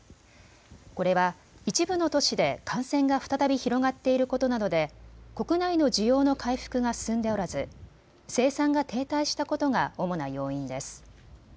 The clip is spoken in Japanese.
これは一部の都市で感染が再び広がっていることなどで国内の需要の回復が進んでおらず生産が停滞したことが主な要因です。